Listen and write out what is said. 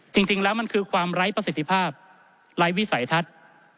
จริงแล้วมันคือความไร้ประสิทธิภาพไร้วิสัยทัศน์